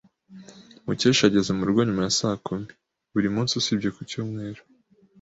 Mukesha ageze murugo nyuma ya saa kumi. buri munsi usibye ku cyumweru.